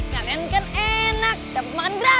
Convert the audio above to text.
lu yang kelewatanku